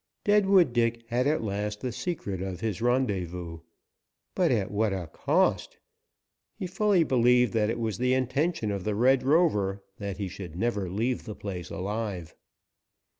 Deadwood Dick had at last the secret of his rendezvous. But at what a cost? He fully believed that it was the intention of the Red Rover that he should never leave the place alive.